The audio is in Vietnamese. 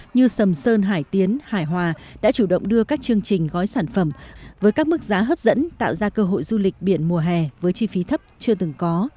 như sầm sơn hải tiến hải hòa đã chủ động đưa các chương trình gói sản phẩm với các mức giá hấp dẫn tạo ra cơ hội du lịch biển mùa hè với chi phí thấp chưa từng có